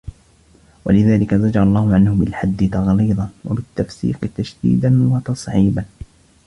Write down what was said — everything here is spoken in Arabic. وَلِذَلِكَ زَجَرَ اللَّهُ عَنْهُ بِالْحَدِّ تَغْلِيظًا وَبِالتَّفْسِيقِ تَشْدِيدًا وَتَصْعِيبًا